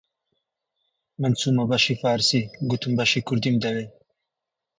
من چوومە بەشی فارسی، گوتم بەشی کوردیم دەوێ